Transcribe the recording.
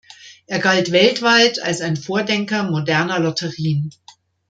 Er galt weltweit als ein Vordenker moderner Lotterien.